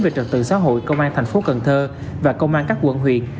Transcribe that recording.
về trật tự xã hội công an thành phố cần thơ và công an các quận huyện